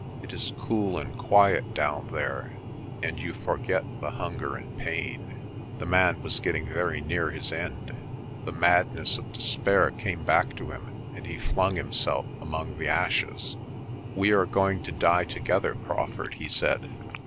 It is cool and quiet down there and you forget the hunger and pain." The man was getting very near his end. The madness of despair came back to him and he flung himself among the ashes. "We are going to die together, Crawfurd," he said.